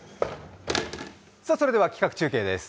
それでは企画中継です。